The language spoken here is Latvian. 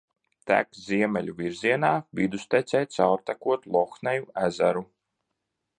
Tek ziemeļu virzienā, vidustecē caurtekot Lohneja ezeru.